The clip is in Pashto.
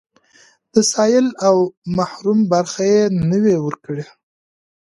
د سايل او محروم برخه يې نه وي ورکړې.